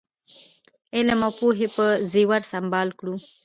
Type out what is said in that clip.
علم او پوهې په زېور سمبال کړو.